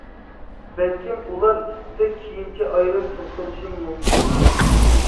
بەلكىم ئۇلار ئۈستىدە كېيىنچە ئايرىم توختىلىشىم مۇمكىن.